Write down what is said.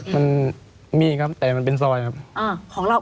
มันมีครับแต่มันเป็นซอยครับ